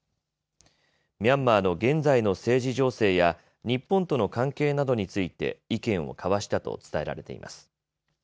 ミャンマーの現在の政治情勢や日本との関係などについて意見を交わしたと伝えられています。